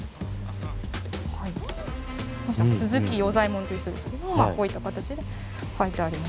この人は鈴木与左衛門という人ですけれどこういった形で書いてありまして。